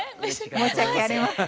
申し訳ありません。